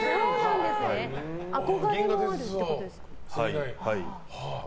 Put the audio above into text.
憧れもあるってことですか。